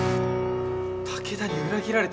武田に裏切られた